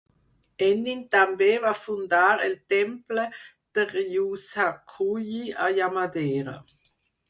Ennin també va fundar el temple de Ryushakuji a Yamadera.